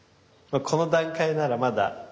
この段階ならまだ。